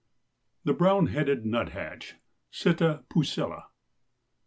THE BROWN HEADED NUTHATCH. (_Sitta pusilla.